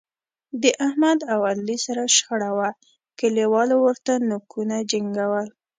د احمد او علي سره شخړه وه، کلیوالو ورته نوکونو جنګول.